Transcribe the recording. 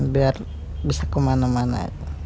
biar bisa kemana mana